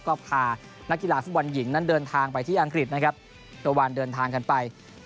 ก็พานักกีฬาฝุมวรหญิงนั้นเดินทางไปที่อังกฤษนะครับระเดินทางกันไป